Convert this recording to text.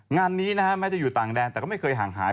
งานนี้นะฮะแม้จะอยู่ต่างแดนแต่ก็ไม่เคยห่างหาย